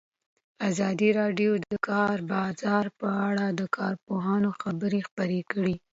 ازادي راډیو د د کار بازار په اړه د کارپوهانو خبرې خپرې کړي.